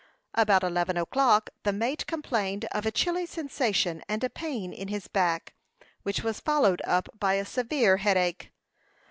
About eleven o'clock the mate complained of a chilly sensation, and a pain in his back, which was followed up by a severe headache.